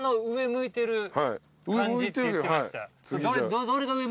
上向いてる！